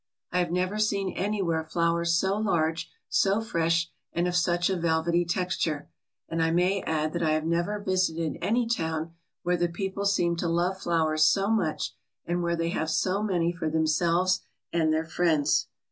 I have never seen anywhere flowers so large, so fresh, and of such a velvety texture; and I may add that I have never visited any town where the people seemed to love flowers so much and where they have so many for themselves and their friends.